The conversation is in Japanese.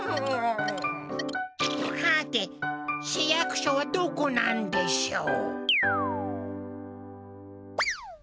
はて市役所はどこなんでしょう？